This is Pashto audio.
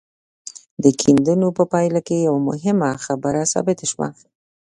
د کيندنو په پايله کې يوه مهمه خبره ثابته شوه.